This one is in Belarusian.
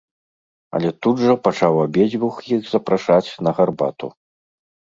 Але тут жа пачаў абедзвюх іх запрашаць на гарбату.